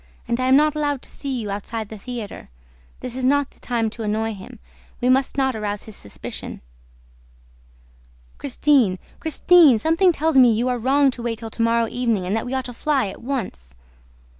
and I am not allowed to see you outside the theater. This is not the time to annoy him. We must not arouse his suspicion." "Christine! Christine! Something tells me that we are wrong to wait till to morrow evening and that we ought to fly at once."